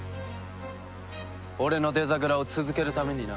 俺のデザグラを続けるためにな。